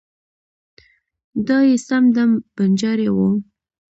دای یې سم دم بنجارۍ و.